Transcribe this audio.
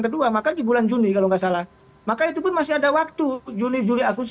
kedua maka di bulan juni kalau nggak salah maka itu pun masih ada waktu juni juli agustus